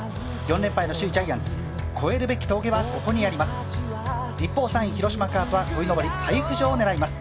４連敗への首位ジャイアンツ、超えるべき峠は、ここにあります。